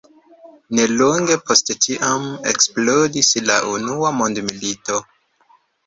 Nelonge post tiam eksplodis la unua mondmilito.